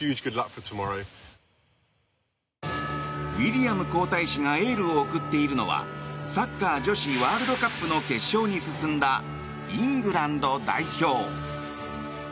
ウィリアム皇太子がエールを送っているのはサッカー女子ワールドカップの決勝に進んだイングランド代表。